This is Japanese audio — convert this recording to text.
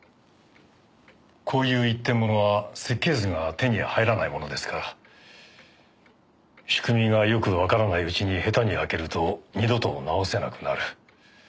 こういう一点ものは設計図が手に入らないものですから仕組みがよくわからないうちに下手に開けると二度と直せなくなる。